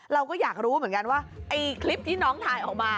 เราก็อยากรู้เหมือนกันว่าไอ้คลิปที่น้องถ่ายออกมา